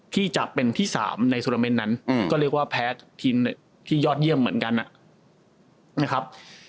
ที่จะเป็นที่๓ในโทรเมนต์นั้นก็เรียกว่าแพ้ทีมที่ยอดเยี่ยมเหมือนกันนะครับ